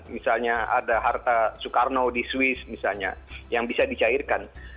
misalnya ada harta soekarno di swiss misalnya yang bisa dicairkan